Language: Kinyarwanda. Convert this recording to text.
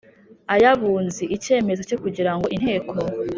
y Abunzi icyemezo cye kugira ngo Inteko